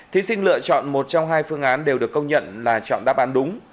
thí sinh lựa chọn một trong hai phương án đều được công nhận là chọn đáp án đúng